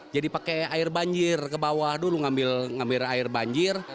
jadi pakai air banjir ke bawah dulu ngambil air banjir